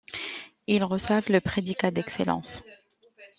Ils reçoivent le prédicat d'excellence.